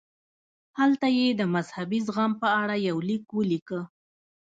هلته یې د مذهبي زغم په اړه یو لیک ولیکه.